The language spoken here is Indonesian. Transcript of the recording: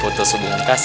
foto sebelum kasih